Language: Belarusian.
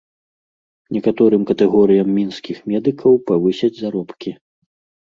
Некаторым катэгорыям мінскіх медыкаў павысяць заробкі.